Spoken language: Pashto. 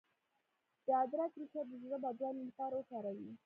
د ادرک ریښه د زړه بدوالي لپاره وکاروئ